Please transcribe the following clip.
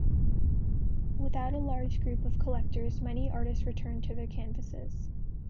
Without a large group of collectors many artists returned to their canvases.